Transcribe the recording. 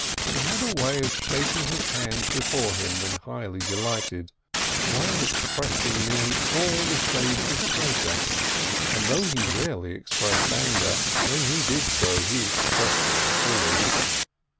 He had a way of shaking his hands before him when highly delighted, a way of expressing nearly all the shades of pleasure; and though he rarely expressed anger, when he did so, he expressed it fully.